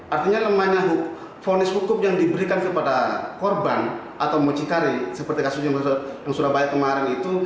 artinya lemahnya ponis hukum yang diberikan kepada korban atau mucikari seperti kasus yang surabaya kemarin itu